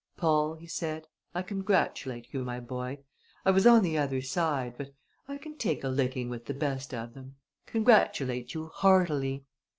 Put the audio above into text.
"Paul," he said, "I congratulate you, my boy! I was on the other side; but I can take a licking with the best of them. Congratulate you heartily!"